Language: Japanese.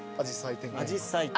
あじさい展。